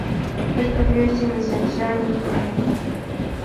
Estudió y se licenció en ingeniería.